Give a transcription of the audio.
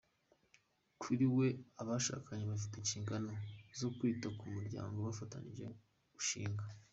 Kuri we abashakanye bafite inshinganpo zo kwita ku muryango bafatanije gushinga.